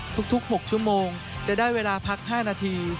ทุก๖ชั่วโมงจะได้เวลาพัก๕นาที